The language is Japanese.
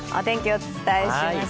お伝えします